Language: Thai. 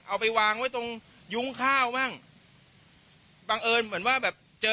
เอาไปวางไว้ตรงยุ้งข้าวบ้างบังเอิญเหมือนว่าแบบเจอ